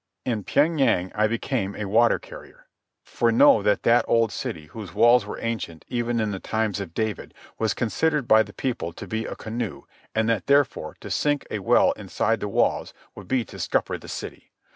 In Pyeng yang I became a water carrier, for know that that old city, whose walls were ancient even in the time of David, was considered by the people to be a canoe, and that, therefore, to sink a well inside the walls would be to scupper the city.